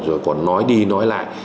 rồi còn nói đi nói lại